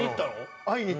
会いに行ったの？